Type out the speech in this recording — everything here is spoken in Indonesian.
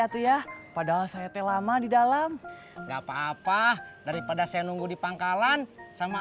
atuh ya padahal saya telah ma di dalam enggak papa daripada saya nunggu di pangkalan sama